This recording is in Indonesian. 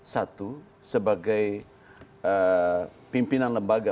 satu sebagai pimpinan lembaga